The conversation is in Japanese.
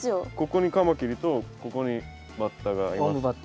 ここにカマキリとここにバッタがいます。